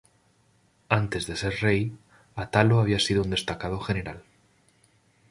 Antes de ser rey, Atalo había sido un destacado general.